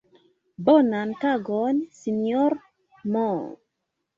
Bonan tagon sinjoro M.!